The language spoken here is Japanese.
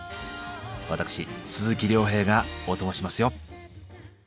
私鈴木亮平がオトモしますよ。